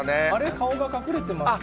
顔が隠れてますよ。